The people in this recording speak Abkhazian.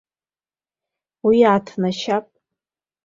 Уи ааҭнашьаап.